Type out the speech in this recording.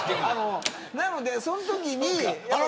なので、そのときに。